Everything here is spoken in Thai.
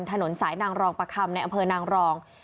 ถนนสายนางรองประคำในอำเภอนางรอง